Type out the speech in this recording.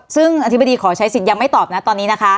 ซึ่งอธิบดีขอใช้สิทธิ์ยังไม่ตอบนะตอนนี้นะคะ